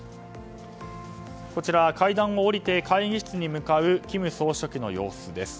階段を下りて会議室に向かう金総書記の様子です。